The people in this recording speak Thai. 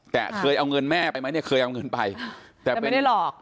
แต่เคยเอาเงินแม่ไปไหมเนี่ยเคยเอาเงินไปแต่ไม่ได้หลอก